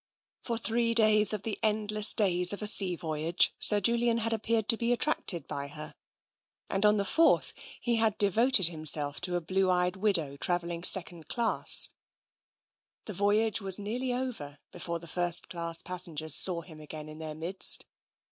For three of the endless days of a sea voyage Sir Julian had appeared to be attracted by her, and on the fourth he had devoted himself to a blue eyed widow, travelling second class. The voyage was nearly over before the first class passengers saw him again in their midst.